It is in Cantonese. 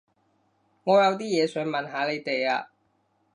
我有啲嘢想問下你哋啊